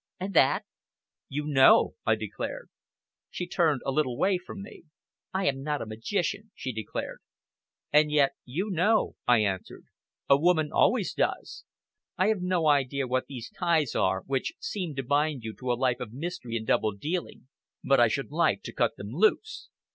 "And that?" "You know!" I declared. She turned a little way from me. "I am not a magician," she declared. "And yet you know," I answered. "A woman always does! I have no idea what these ties are, which seem to bind you to a life of mystery and double dealing, but I should like to cut them loose.